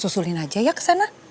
susulin aja ya kesana